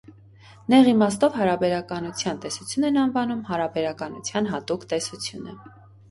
Նեղ իմաստով հարաբերականության տեսություն են անվանում հարաբերականության հատուկ տեսությունը։